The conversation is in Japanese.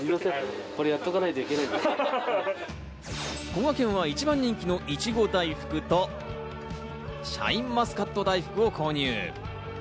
こがけんは一番人気のいちご大福と、シャインマスカット大福を購入。